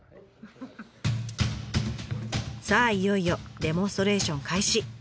さあいよいよデモンストレーション開始。